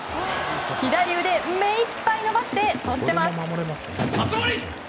左腕、目いっぱい伸ばしてとっています！